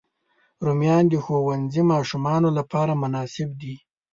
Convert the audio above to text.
رومیان د ښوونځي ماشومانو لپاره مناسب دي